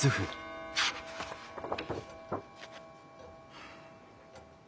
はあ。